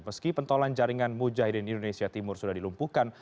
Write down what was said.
meski pentolan jaringan mujahidin indonesia timur sudah dilumpuhkan